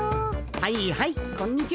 はいはいこんにちは。